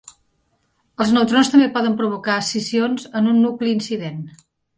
Els neutrons també poden provocar escissions en un nucli incident.